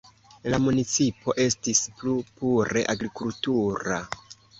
La municipo estis plu pure agrikultura.